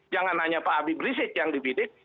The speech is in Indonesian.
jangan hanya pak abi brisek yang dibidik